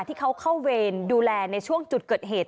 ที่เขาเข้าเวรดูแลในช่วงจุดเกิดเหตุ